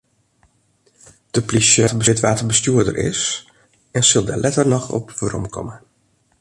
De plysje wit wa't de bestjoerder is en sil dêr letter noch op weromkomme.